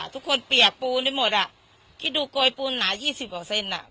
ทุกคนเปียกปูนไม่หมดอ่ะคิดดูโกยปูนหนายี่สิบหกเซนอ่ะ